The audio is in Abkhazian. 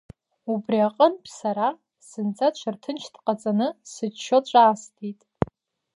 Убри аҟынтә сара, зынӡа ҽырҭынч ҟаҵаны, сыччо ҿаасҭит…